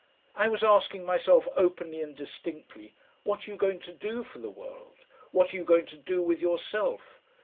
I was asking myself openly and distinctly: what are you going to do for the world? What are you going to do with yourself?